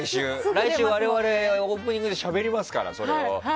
来週我々オープニングでしゃべりますから。